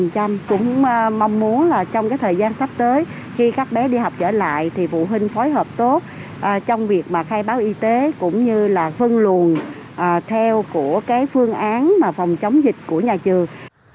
cũng mong muốn là trong cái thời gian sắp tới khi các bé đi học trở lại thì phụ huynh phối hợp tốt trong việc khai báo y tế cũng như là phân luồn theo của cái phương án mà phòng chống dịch của nhà trường